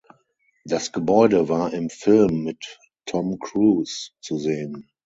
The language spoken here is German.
Das Gebäude war im Film mit Tom Cruise zu sehen.